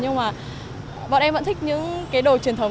nhưng mà bọn em vẫn thích những cái đồ truyền thống